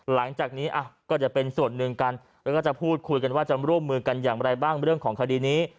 หลังจากนี้ก็จะเป็นส่วนหนึ่งกันแล้วก็จะพูดคุยกันว่าจะร่วมมือกันอย่างไรบ้างเรื่องของคดีนี้